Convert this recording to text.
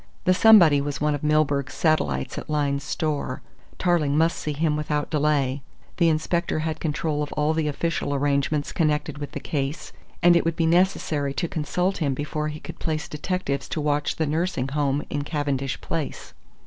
The somebody was one of Milburgh's satellites at Lyne's Store. Tarling must see him without delay. The inspector had control of all the official arrangements connected with the case, and it would be necessary to consult him before he could place detectives to watch the nursing home in Cavendish Place.